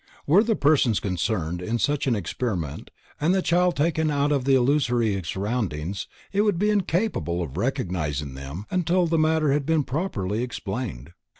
Were the persons concerned in such an experiment and the child taken out of the illusory surroundings, it would be incapable of recognizing them until the matter had been properly explained.